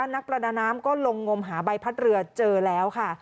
นักประดาน้ำก็ลงงมหาใบพัดเรือเจอแล้วค่ะ